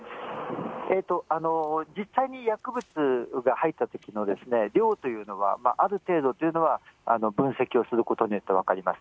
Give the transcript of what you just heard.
実際に薬物が入ったときの量というのは、ある程度というのは分析をすることによって分かります。